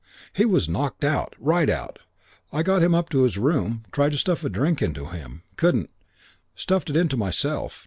He was knocked out. Right out. I got him up to his room. Tried to stuff a drink into him. Couldn't. Stuffed it into myself.